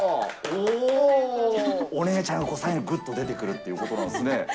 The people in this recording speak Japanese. お姉ちゃんが最後ぐっと出てくるということなんですね。